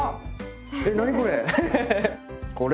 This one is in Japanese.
え何これ。